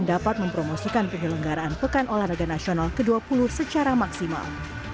dapat mempromosikan penyelenggaraan pekan olahraga nasional ke dua puluh secara maksimal